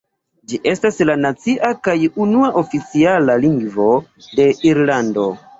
Ĝi estas la nacia kaj unua oficiala lingvo de Irlando.